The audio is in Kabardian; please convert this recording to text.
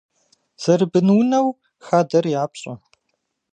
Зэрыбынунэу хадэр япщӏэ.